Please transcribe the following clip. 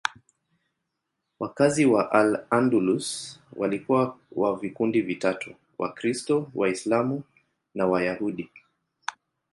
Wakazi wa Al-Andalus walikuwa wa vikundi vitatu: Wakristo, Waislamu na Wayahudi.